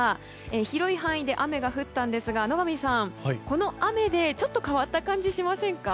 広い範囲で雨が降ったんですが野上さん、この雨でちょっと変わった感じしませんか？